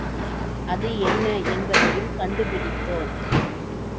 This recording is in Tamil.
அது என்ன என்பதையும் கண்டு பிடித்தோம்.